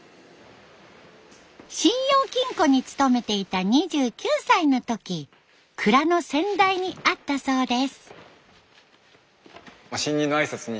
信用金庫に勤めていた２９歳の時蔵の先代に会ったそうです。